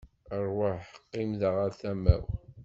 Rwaḥ, qqim da ɣer tama-w.